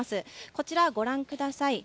こちらご覧ください。